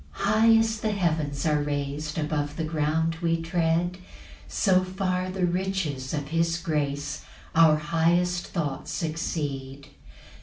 3 High as the heavens are rais'd Above the ground we tread, So far the riches of his grace Our highest thoughts exceed.